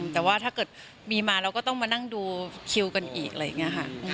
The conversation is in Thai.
แต่ว่าถ้าเกิดมีมาเราก็ต้องมานั่งดูคิวกันอีกอะไรอย่างนี้ค่ะ